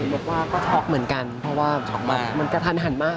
บอกว่าก็ช็อกเหมือนกันเพราะว่ามันกระทันหันมาก